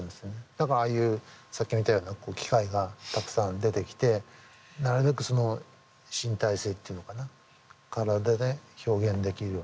だからああいうさっきみたいな機械がたくさん出てきてなるべくその身体性っていうのかな体で表現できるように。